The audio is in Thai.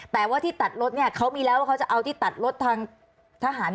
แต่ว่าที่ตัดรถเนี่ยเขามีแล้วว่าเขาจะเอาที่ตัดรถทางทหาร